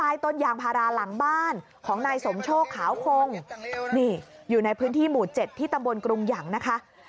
ใต้ต้นยางพาราหลังบ้านของนายสมโชคขาวคงนี่อยู่ในพื้นที่หมู่เจ็ดที่ตำบลกรุงหยังนะคะ